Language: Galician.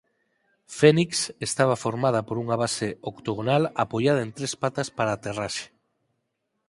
Phoenix estaba formada por unha base octogonal apoiada en tres patas para a aterraxe.